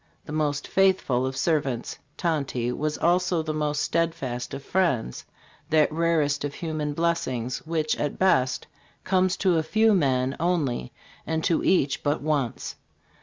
The most faithful of servants, Tonty was also the most steadfast of friends that rarest of human blessings, which at best comes to a few men only, and to each but once.